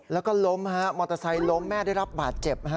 แล้วก็ล้มฮะมอเตอร์ไซค์ล้มแม่ได้รับบาดเจ็บ